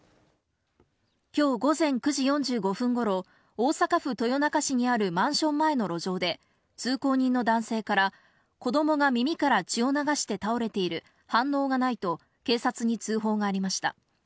きょう午前９時４５分ごろ、大阪府豊中市にあるマンション前の路上で、通行人の男性から、子どもが耳から血を流して倒れている、反応がないと、警察に通報がありました。